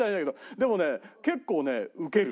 でもね結構ねウケる。